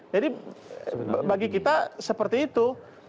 jadi bagi kita seperti itu